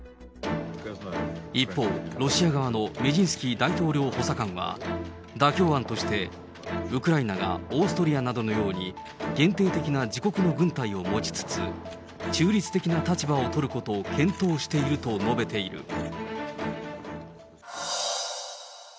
一方、ロシア側のメディンスキー大統領補佐官は妥協案として、ウクライナがオーストリアなどのように限定的な自国の軍隊を持ちつつ、中立的な立場を取ることを検討していると述べている。